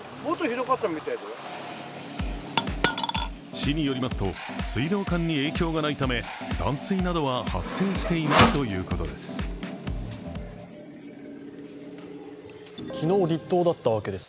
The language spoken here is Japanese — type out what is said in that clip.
市によりますと、水道管に影響がないため断水などは発生していないということです。